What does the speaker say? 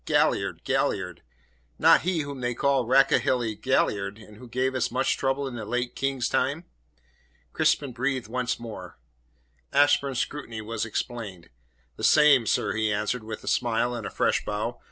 "Galliard, Galliard not he whom they called 'Rakehelly Galliard,' and who gave us such trouble in the late King's time?" Crispin breathed once more. Ashburn's scrutiny was explained. "The same, sir," he answered, with a smile and a fresh bow.